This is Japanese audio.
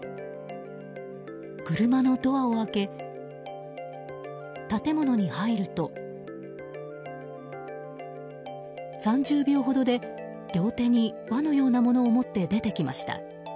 車のドアを開け、建物に入ると３０秒ほどで両手に輪のようなものを持って出てきました。